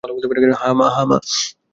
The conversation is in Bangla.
হ্যাঁ, মা।